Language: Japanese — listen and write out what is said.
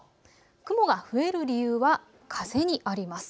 雲が増える理由は風にあります。